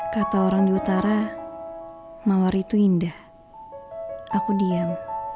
kata orang di utara mawari itu indah aku diam